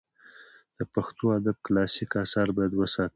د پښتو ادب کلاسیک آثار باید وساتل سي.